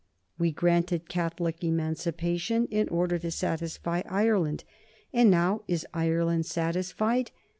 We granted Catholic Emancipation in order to satisfy Ireland, and now is Ireland satisfied?